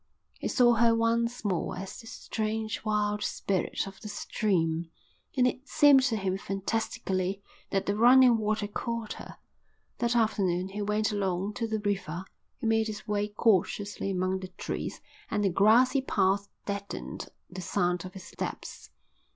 He saw her once more as the strange, wild spirit of the stream, and it seemed to him fantastically that the running water called her. That afternoon he went along to the river. He made his way cautiously among the trees and the grassy path deadened the sound of his steps.